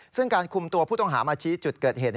ซึ่งการคุมตัวผู้ต้องหามาชี้จุดเกิดเหตุ